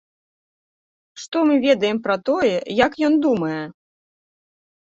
Што мы ведаем пра тое, як ён думае?!